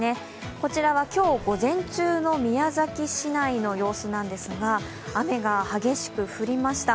こちらは今日午前中の宮崎市内の様子なんですが、雨が激しく降りました。